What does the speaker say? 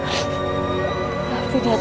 ibu ingin menolak